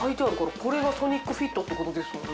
これがソニックフィットってことですもんね。